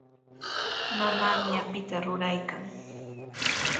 Mamaami apita ruraykan.